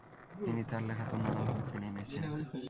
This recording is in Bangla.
তিনি তার লেখাতেও নানা ভাবে টেনে এনেছেন।